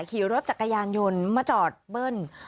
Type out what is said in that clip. ขี่รถจักรยานยนต์มาจอดเบิ้ล